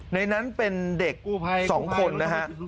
ในนั้นเป็นเด็ก๒คนนะฮะ